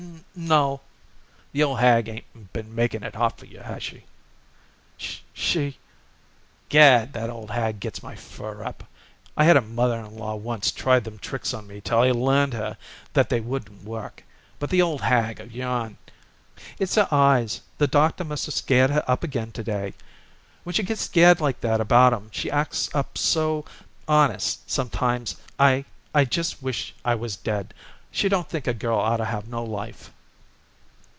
"N no." "The old hag 'ain't been making it hot for you, has she?" "Sh she " "Gad! that old hag gets my fur up. I had a mother in law once tried them tricks on me till I learned her they wouldn't work. But the old hag of yourn " "It's her eyes; the doctor must have scared her up again to day. When she gets scared like that about 'em she acts up so, honest, sometimes I I just wish I was dead. She don't think a girl oughtta have no life."